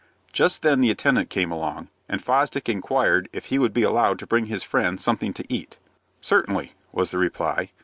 Just then the attendant came along, and Fosdick inquired if he would be allowed to bring his friend something to eat. "Certainly," was the reply.